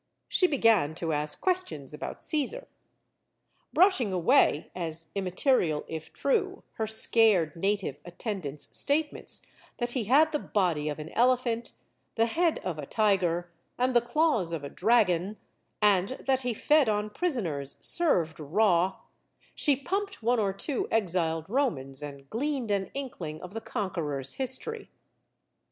She began to ask questions about Caesar. Brush ing away (as immaterial if true), her scared native attendants* statements that he had the body of an ele phant, the head of a tiger, and the claws of a dragon, and that he fed on prisoners served raw, she pumped 138 STORIES OF THE SUPER WOMEN one or two exiled Romans and gleaned an inkling of the conqueror's history.